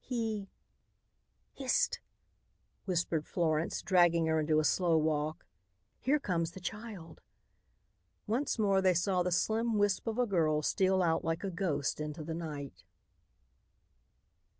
He " "Hist," whispered Florence, dragging her into a slow walk; "here comes the child." Once more they saw the slim wisp of a girl steal out like a ghost into the night.